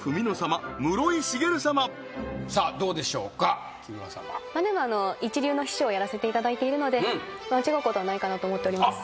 まあでも一流の秘書をやらせていただいているので間違うことはないかなと思っております